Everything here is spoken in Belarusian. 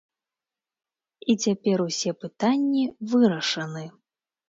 І цяпер усе пытанні вырашаны.